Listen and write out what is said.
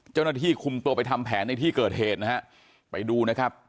เจ้าหน้าที่คุมตัวไปทำแผนในที่เกิดเหตุนะฮะไปดูนะครับ